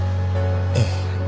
ええ。